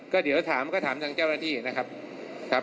ก็ถามจากเจ้าหน้าที่นะครับ